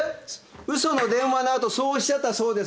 ウソの電話のあとそうおっしゃったそうですね。